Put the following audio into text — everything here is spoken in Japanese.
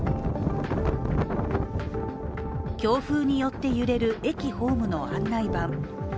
強風によって揺れる駅ホームの案内板。